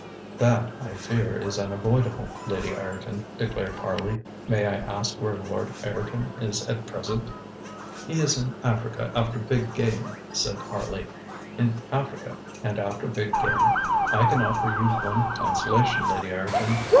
ŌĆØ ŌĆ£That, I fear, is unavoidable, Lady Ireton, ŌĆØ declared Harley. ŌĆ£May I ask where Lord Ireton is at present? ŌĆØ ŌĆ£He is in Africa after big game. ŌĆØ ŌĆ£H'm,ŌĆØ said Harley, ŌĆ£in Africa, and after big game? I can offer you one consolation, Lady Ireton.